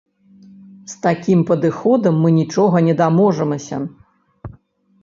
З такім падыходам мы нічога не даможамся.